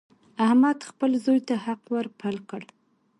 احمد خپل زوی ته حق ور پل کړ.